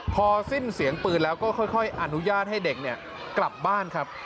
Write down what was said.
พอสิ้นเสียงปืนแล้วก็ค่อยอนุญาตให้เด็กกลับบ้านครับ